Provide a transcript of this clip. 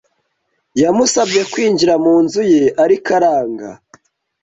Yamusabye kwinjira mu nzu ye, ariko aranga.